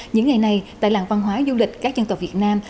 những ngày này tại làng văn hóa du lịch các dân tộc việt nam